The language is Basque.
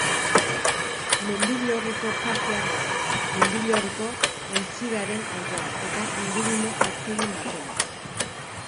Mendillorriko parkean dago, Mendillorriko aintziraren alboan, eta ingurune atsegin batean.